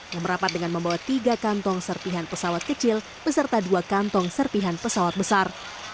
yang merapat dengan membawa tiga kantong serpihan pesawat kecil beserta dua kantong serpihan pesawat besar